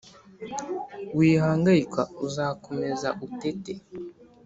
wihangayika, uzakomeza utete